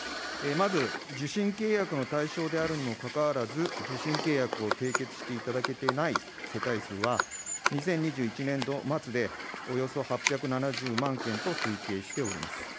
まず、受信契約の対象であるにもかかわらず、受信契約を締結していただけていない世帯数は、２０２１年度末でおよそ８７０万件と推計しております。